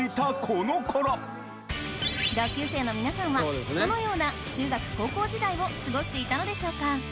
同級生の皆さんはどのような中学・高校時代を過ごしていたのでしょうか？